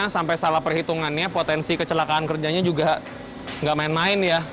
sampai salah perhitungannya potensi kecelakaan kerjanya juga nggak main main ya